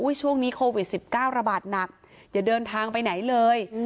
ช่วงนี้โควิด๑๙ระบาดหนักอย่าเดินทางไปไหนเลย